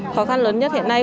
khó khăn lớn nhất hiện nay